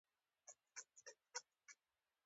د غوا شیدې د هډوکو پیاوړتیا لپاره ګټورې دي.